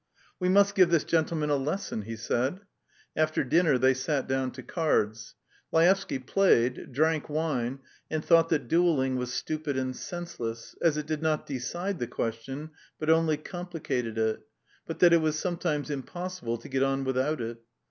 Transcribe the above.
"We must give this gentleman a lesson ..." he said. After dinner they sat down to cards. Laevsky played, drank wine, and thought that duelling was stupid and senseless, as it did not decide the question but only complicated it, but that it was sometimes impossible to get on without it.